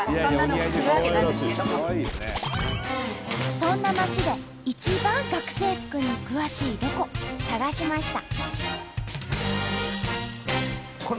そんな町で一番学生服に詳しいロコ探しました。